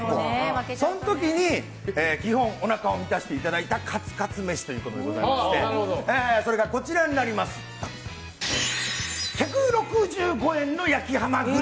その時に、基本おなかを満たしていただいたカツカツ飯ということでそれが１６５円の焼きハマグリ。